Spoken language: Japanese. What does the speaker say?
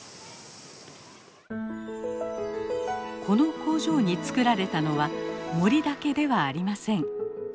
この工場につくられたのは森だけではありません。